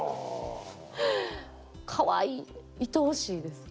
かわいいいとおしいです。